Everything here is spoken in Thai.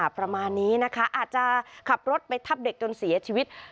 ประมาณนี้นะคะอาจจะขับรถไปทับเด็กจนเสียชีวิต